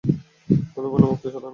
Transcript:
উলুবনে মুক্তো ছড়ানো।